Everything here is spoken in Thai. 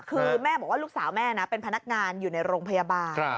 คือแม่บอกว่าลูกสาวแม่นะเป็นพนักงานอยู่ในโรงพยาบาล